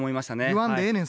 言わんでええねん